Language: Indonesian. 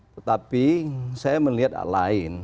tetapi saya melihat lain